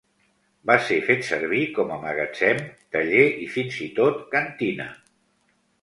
Va ser fet servir com a magatzem, taller i fins i tot cantina.